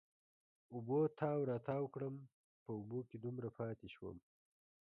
اوبو تاو را تاو کړم، په اوبو کې دومره پاتې شوم.